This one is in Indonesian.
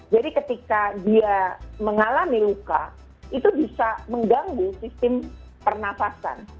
jadi ketika dia mengalami luka itu bisa mengganggu sistem pernafasan